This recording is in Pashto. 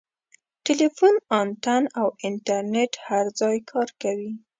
ټیلیفون انتن او انټرنیټ هر ځای کار کوي.